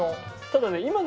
ただね。